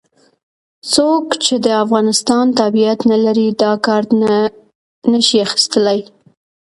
څوک چې د افغانستان تابعیت نه لري دا کارت نه شي اخستلای.